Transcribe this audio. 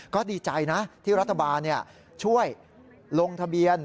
ก็ดีใจนะที่รัฐบาลช่วยลงทะเบียน